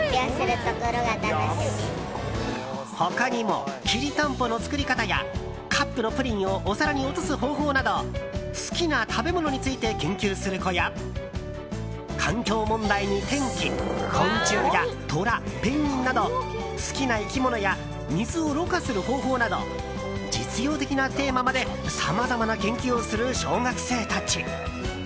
他にも、きりたんぽの作り方やカップのプリンをお皿に落とす方法など好きな食べ物について研究する子や環境問題に天気、昆虫やトラペンギンなど好きな生き物や水をろ過する方法など実用的なテーマまでさまざまな研究をする小学生たち。